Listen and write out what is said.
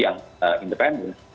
yang lebih independen